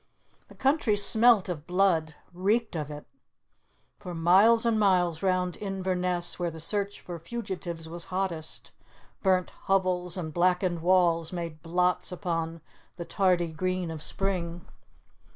The country smelt of blood; reeked of it. For miles and miles round Inverness, where the search for fugitives was hottest, burnt hovels and blackened walls made blots upon the tardy green of spring.